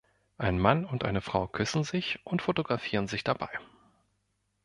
Ein Mann und eine Frau küssen sich und fotografieren sich dabei.